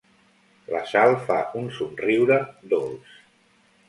La Sal fa un somriure dolç.